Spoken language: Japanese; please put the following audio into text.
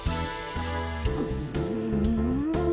うん。